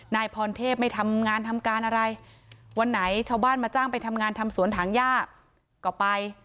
นายพรเทพไม่ทำงานทำการอะไรวันไหนชาวบ้านมาจ้างไปทำงานทำสวนถังย่าก็ไป